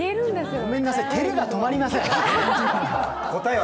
ごめんなさい、照れが止まりません。